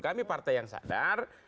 kami partai yang sadar